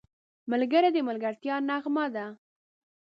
ملګری د ملګرتیا نغمه ده